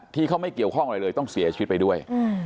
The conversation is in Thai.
ที่เขาไม่เกี่ยวข้องอะไรเลยต้องเสียชีวิตไปด้วย